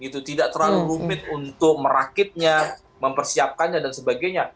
tidak terlalu rumit untuk merakitnya mempersiapkannya dan sebagainya